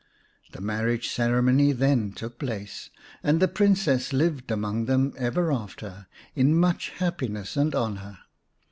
The marriage ceremony then took place, and the Princess lived among them ever after in much happiness and honour.